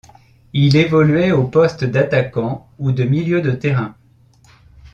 Il évoluait au poste d'attaquant ou de milieu de terrain.